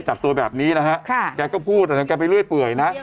จับตัวแบบนี้นะฮะแกก็พูดอะไรกับแกไปเรื่อยเปื่อยนะ